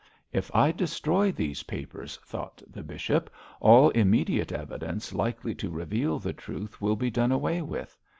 'If I destroy these papers,' thought the bishop, 'all immediate evidence likely to reveal the truth will be done away with.